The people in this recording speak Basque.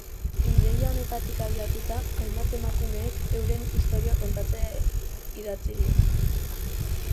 Ideia honetatik abiatuta, hainbat emakumek euren istorioa kontatzen idatzi diote.